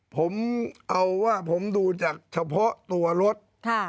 ผมเอาว่าผมดูจากเฉพาะตัวรถ